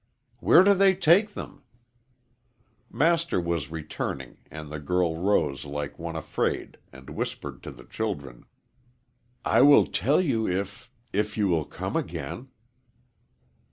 "Where do they take them?" Master was returning, and the girl rose like one afraid and whispered to the children, "I will tell you if if you will come again."